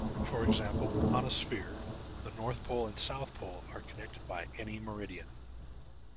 For example, on a sphere, the north-pole and south-pole are connected by any meridian.